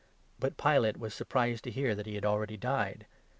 But Pilate was surprised to hear that he had already died.